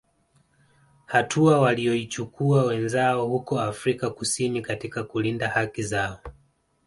Hatua walioichukua wenzao huko Afrika kusini katika kulinda haki zao